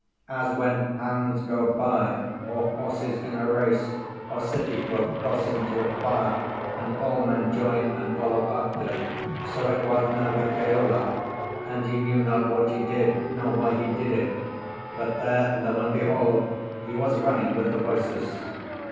As when hounds go by, or horses in a race, or city folk coursing to a fire, and all men join and follow after, so it was now with Keola; and he knew not what he did, nor why he did it, but there, lo and behold! he was running with the voices.